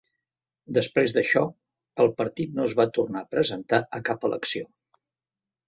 Després d'això, el partit no es va tornar a presentar a cap elecció.